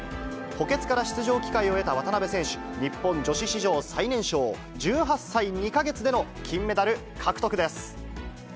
補欠から出場機会を得た渡部選手、日本女子史上最年少、１８歳２か月での金メダル獲得です。